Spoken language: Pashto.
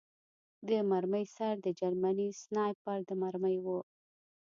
د مرمۍ سر د جرمني سنایپر د مرمۍ و